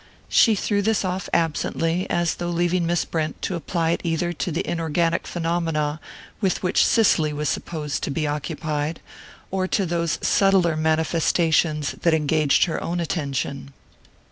She threw this off absently, as though leaving Miss Brent to apply it either to the inorganic phenomena with which Cicely was supposed to be occupied, or to those subtler manifestations that engaged her own attention.